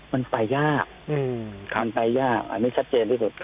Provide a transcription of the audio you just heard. มันไปยากมันไปยากอันนี้ชัดเจนที่สุด